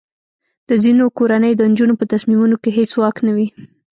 د ځینو کورنیو د نجونو په تصمیمونو کې هیڅ واک نه وي.